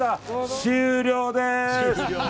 終了です。